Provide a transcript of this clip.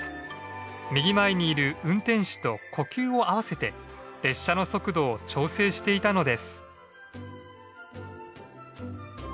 右前にいる運転士と呼吸を合わせて列車の速度を調整していたのです。